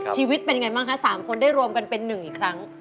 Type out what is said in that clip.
ชีวิตเป็นอย่างไรบ้างคะสามคนได้รวมกันเป็นหนึ่งอีกครั้ง